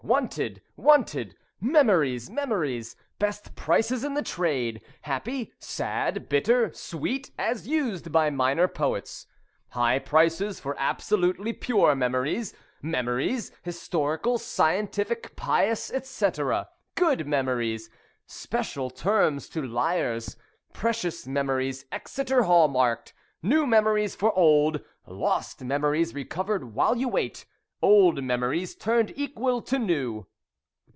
Wanted! Wanted! Memories! Memories! Best Prices in the Trade. Happy, Sad, Bitter, Sweet (as Used by Minor Poets). High Prices for Absolutely Pure Memories. Memories, Historical, Scientific, Pious, &c. Good Memories! Special Terms to Liars. Precious Memories (Exeter Hall marked). New Memories for Old! Lost Memories Recovered while you wait. Old Memories Turned equal to New.